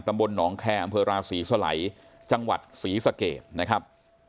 ตำบลหนองแคร์อำเภอราศรีสลัยจังหวัดศรีสะเกดนะครับ